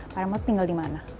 pak rahmat tinggal di mana